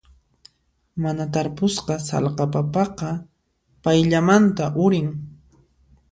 Mana tarpusqa sallqa papaqa payllamanta urin.